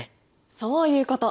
そういうこと！